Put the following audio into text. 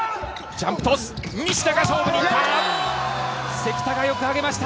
ジャンプトス、西田が勝負に行った。